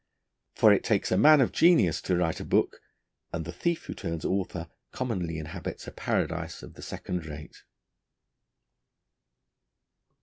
For it takes a man of genius to write a book, and the thief who turns author commonly inhabits a paradise of the second rate.